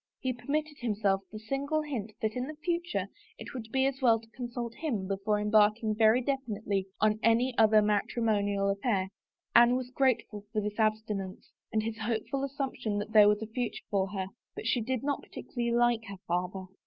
He permitted himself the single hint that in the future it would be as well to consult him before embarking very definitely on any other matrimonial affair. Anne was grateful for this abstinence and his hopeful assumption that there was a future for her, but she did not particularly like her father.